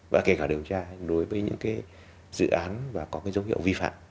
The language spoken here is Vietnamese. và kể cả điều tra đối với những cái dự án và có cái dấu hiệu vi phạm